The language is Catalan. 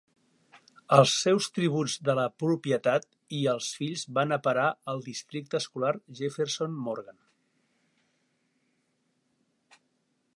Els seus tributs de la propietat i els fills van a parar al districte escolar Jefferson Morgan.